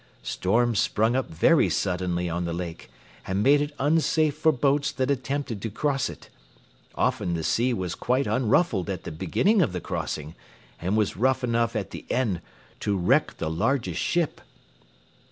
Storms sprung up very suddenly on the lake, and made it unsafe for boats that attempted to cross it. Often the sea was quite unruffled at the beginning of the crossing, and was rough enough at the end to wreck the largest ship.